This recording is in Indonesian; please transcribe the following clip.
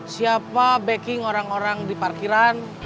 siapa backing orang orang di parkiran